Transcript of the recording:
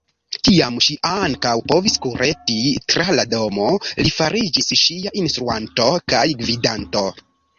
Kiam ŝi ankaŭ povis kureti tra la domo, li fariĝis ŝia instruanto kaj gvidanto.